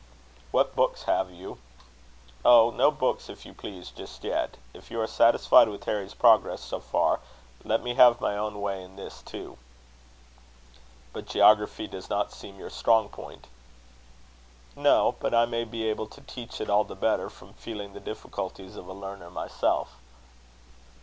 "What books have you?" "Oh! no books, if you please, just yet. If you are satisfied with Harry's progress so far, let me have my own way in this too." "But geography does not seem your strong point." "No; but I may be able to teach it all the better from feeling the difficulties of a learner myself."